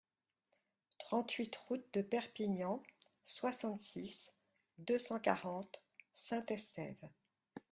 trente-huit route de Perpignan, soixante-six, deux cent quarante, Saint-Estève